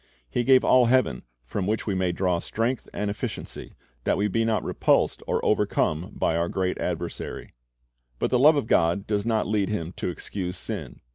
He gave all heaven, from which we may draw strength and efficiency, that we be not repulsed or overcome by our great adversary. But the love of God does not lead Him to excuse sin.